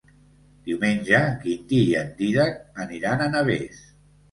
Diumenge en Quintí i en Dídac aniran a Navès.